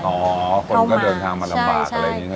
อ๋อคนก็เดินทางมาลำบากอะไรอย่างนี้